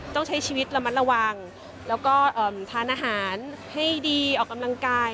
ต้องใช้ชีวิตระมัดระวังแล้วก็ทานอาหารให้ดีออกกำลังกาย